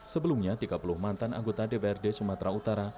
sebelumnya tiga puluh mantan anggota dprd sumatera utara